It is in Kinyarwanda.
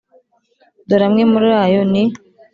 dore amwe muri yo ni